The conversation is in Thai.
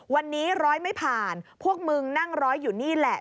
วันนี้ร้อยไม่ผ่านพวกมึงนั่งร้อยอยู่นี่แหละ